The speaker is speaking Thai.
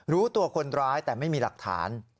รู้ตัวคนร้ายแต่ไม่มีหลักฐาน